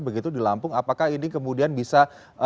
begitu di lampung apakah ini kemudian bisa